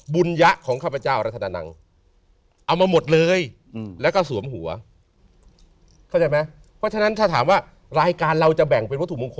สั่งทางอรธนานังค์